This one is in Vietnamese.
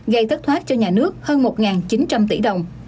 gây thất thoát cho nhà nước hơn một chín trăm linh tỷ đồng